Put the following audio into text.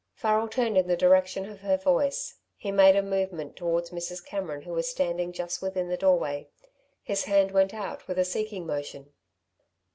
Farrel turned in the direction of her voice. He made a movement towards Mrs. Cameron, who was standing just within the doorway. His hand went out with a seeking motion.